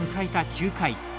９回。